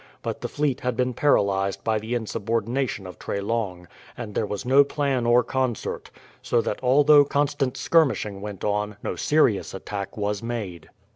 But the fleet had been paralyzed by the insubordination of Treslong, and there was no plan or concert; so that although constant skirmishing went on, no serious attack was made.